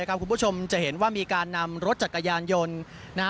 คุณผู้ชมจะเห็นว่ามีการนำรถจักรยานยนต์